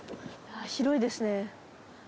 広いですね。